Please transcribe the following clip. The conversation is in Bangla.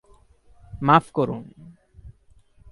মাফ করুন।